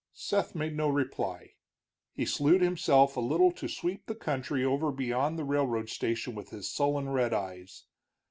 Seth made no reply. He slewed himself a little to sweep the country over beyond the railroad station with his sullen red eyes.